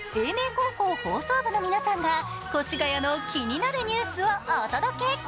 高校放送部の皆さんが越谷の気になるニュースをお届け。